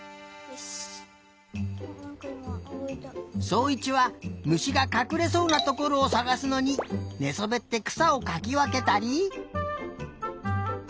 そういちはむしがかくれそうなところをさがすのにねそべってくさをかきわけたり。